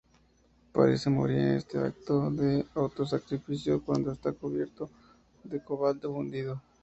Parece morir en este acto de autosacrificio, cuando está cubierto de cobalto fundido.